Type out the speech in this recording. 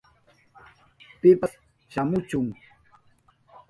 Pipas shamuchu.